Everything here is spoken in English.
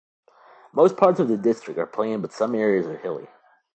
Most parts of the district are plain but some areas are hilly.